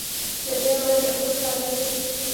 له دې امله ډېر خوشاله یم.